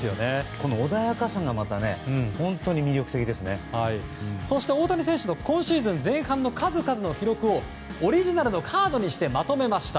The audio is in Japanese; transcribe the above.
この穏やかさがそして大谷選手の今シーズン前半の数々の記録をオリジナルのカードにしてまとめました。